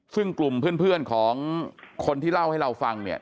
ซึ่งกลุ่มเพื่อนของคนที่เล่าให้เราฟังเนี่ย